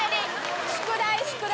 宿題宿題。